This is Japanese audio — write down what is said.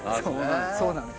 そうなんです。